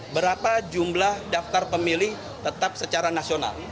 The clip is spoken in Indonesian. berapa jumlah daftar pemilih tetap secara nasional